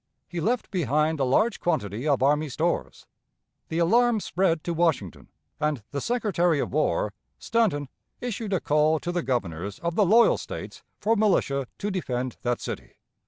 He left behind a large quantity of army stores. The alarm spread to Washington, and the Secretary of War, Stanton, issued a call to the Governors of the "loyal" States for militia to defend that city.